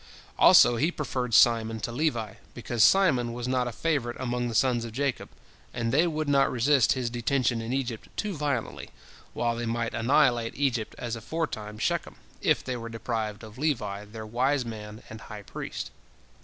Also, he preferred Simon to Levi, because Simon was not a favorite among the sons of Jacob, and they would not resist his detention in Egypt too violently, while they might annihilate Egypt, as aforetime Shechem, if they were deprived of Levi, their wise man and high priest.